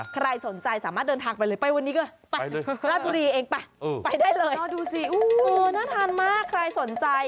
ใครสนใจสามารถเดินทางไปเลยไปวันนี้ก็ไปเลย